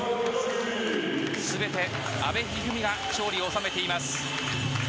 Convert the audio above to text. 全て阿部一二三が勝利を収めています。